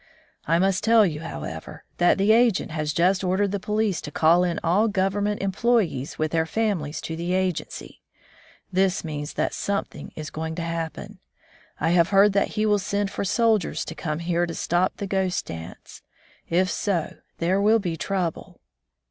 "I must tell you, however, that the agent has just ordered the police to call in all Government employees with their families to the agency. This means 88 A Doctor among the Indians that something is going to happen. I have heard that he will send for soldiers to come here to stop the Ghost dance. If so, there will be trouble."